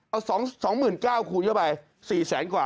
เอา๒๙๐๐คูณเข้าไป๔แสนกว่า